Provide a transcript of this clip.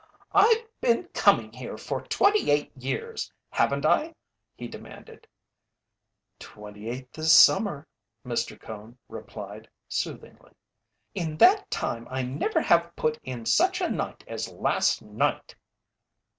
"I've been coming here for twenty eight years, haven't I?" he demanded. "Twenty eight this summer," Mr. Cone replied, soothingly. "In that time I never have put in such a night as last night!"